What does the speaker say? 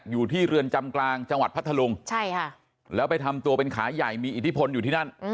อยู่ที่เรือนจำกลางจังหวัดพัทธลุงแล้วไปทำตัวเป็นขาใหญ่มีอิทธิพลอยู่ที่นั่น